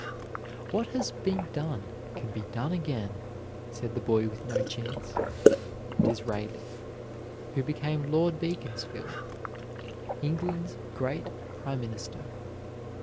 "What has been done can be done again," said the boy with no chance, Disraeli, who become Lord Beaconsfield, England's great Prime Minister.